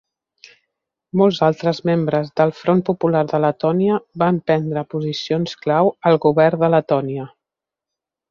Molts altres membres del Front Popular de Letònia van prendre posicions clau al govern de Letònia.